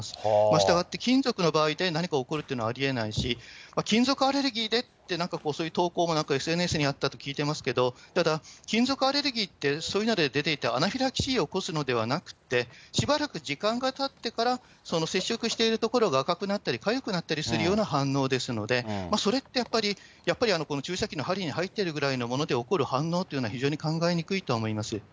したがって、金属の場合で何か起こるっていうのはありえないし、金属アレルギーでって、なんかこう、そういう投稿もＳＮＳにあったと聞いてますけど、ただ、金属アレルギーって、そういうので出ていてアナフィラキシーを起こすのではなくって、しばらく時間がたってから、その接触している所が赤くなったり、かゆくなったりするような反応ですので、それってやっぱり、やっぱり注射器の針に入ってるぐらいのもので起こる反応っていうのは、非常に考えにくいとは思います。